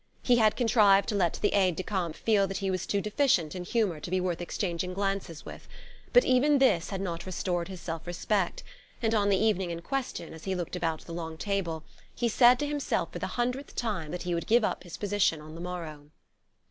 He had contrived to let the aide de camp feel that he was too deficient in humour to be worth exchanging glances with; but even this had not restored his self respect, and on the evening in question, as he looked about the long table, he said to himself for the hundredth time that he would give up his position on the morrow.